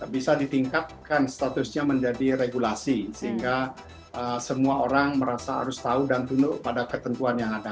bisa ditingkatkan statusnya menjadi regulasi sehingga semua orang merasa harus tahu dan tunduk pada ketentuan yang ada